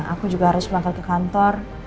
aku juga harus berangkat ke kantor